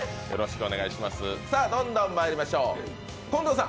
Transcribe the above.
どんどんまいりましょう。